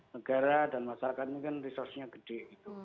negara dan masyarakat ini kan resursusnya gede